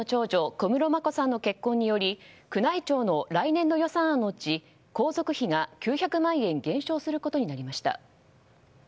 小室眞子さんの結婚により宮内庁の来年度予算案のうち皇族費が９００万円減少することになりました。